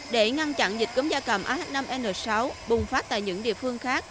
để ngăn chặn dịch cấm gia cầm ah năm n sáu bùng phát tại những địa phương khác